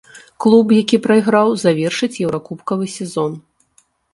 Клуб, які прайграў, завершыць еўракубкавы сезон.